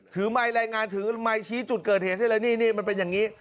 ไมค์รายงานถือไมค์ชี้จุดเกิดเหตุได้เลยนี่นี่มันเป็นอย่างนี้